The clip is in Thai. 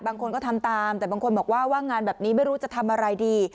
บางคนก็ทำตามแต่บางคนบอกว่าว่างงานแบบนี้ไม่รู้จะทำอะไรดี